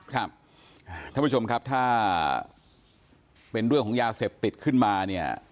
ท่านผู้ชมครับถ้าเป็นเรื่องของยาเสพติดขึ้นมาเนี่ย